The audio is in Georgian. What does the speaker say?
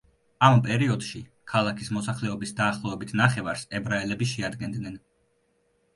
ამ პერიოდში, ქალაქის მოსახლეობის დაახლოებით ნახევარს ებრაელები შეადგენდნენ.